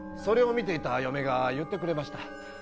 それを見ていた嫁が言ってくれました。